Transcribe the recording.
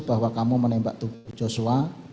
bahwa kamu menembak tubuh joshua